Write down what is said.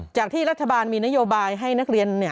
จากที่รัฐบาลมีนโยบายให้นักเรียน